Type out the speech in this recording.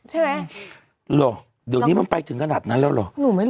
เหรอเดี๋ยวนี้มันไปถึงขนาดนั้นแล้วเหรอ